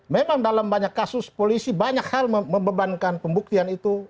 memang dalam banyak kasus polisi banyak hal membebankan pembuktian itu